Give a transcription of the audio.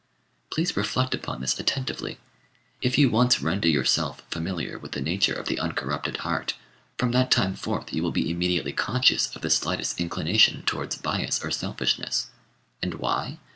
Please reflect upon this attentively. If you once render yourself familiar with the nature of the uncorrupted heart, from that time forth you will be immediately conscious of the slightest inclination towards bias or selfishness. And why?